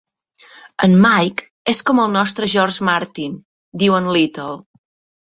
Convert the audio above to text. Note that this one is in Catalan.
"En Mike és com el nostre George Martin", diu en Little.